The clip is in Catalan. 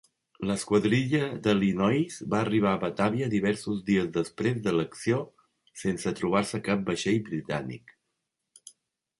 L'esquadrilla de Linois va arribar a Batavia diversos dies després de l'acció sense trobar-se cap vaixell britànic.